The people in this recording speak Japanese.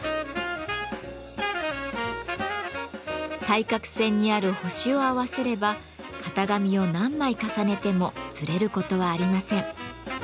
対角線にある星を合わせれば型紙を何枚重ねてもずれることはありません。